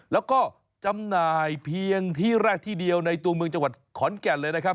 แล้วก็จำหน่ายเพียงที่แรกที่เดียวในตัวเมืองจังหวัดขอนแก่นเลยนะครับ